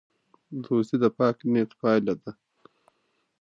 دوستي د پاک نیت پایله ده.